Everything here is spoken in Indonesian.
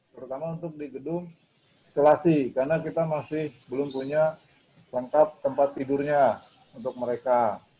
terutama untuk di gedung isolasi karena kita masih belum punya lengkap tempat tidurnya untuk mereka